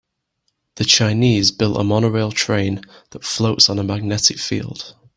The Chinese built a monorail train that floats on a magnetic field.